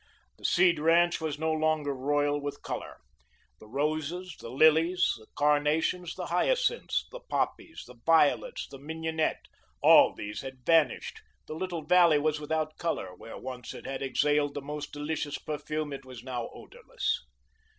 The Seed ranch was no longer royal with colour. The roses, the lilies, the carnations, the hyacinths, the poppies, the violets, the mignonette, all these had vanished, the little valley was without colour; where once it had exhaled the most delicious perfume, it was now odourless.